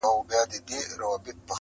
له مطربه سره نسته نوی شرنګ نوي سورونه.!